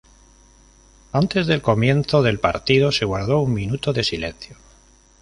Antes del comienzo del partido se guardó un minuto de silencio.